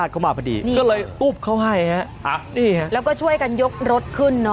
ก็เลยอุ๊บเขาให้แล้วก็ช่วยกันยกรถขึ้น